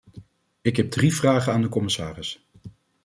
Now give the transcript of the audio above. Ik heb drie vragen aan de commissaris.